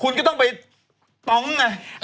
คุณก็ต้องไปต๊องไง